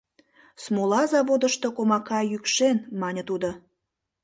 — Смола заводышто комака йӱкшен, — мане тудо.